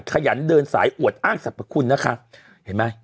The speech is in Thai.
ขยันเดินสายอวดอ้างสรรพคุณนะคะเห็นไหม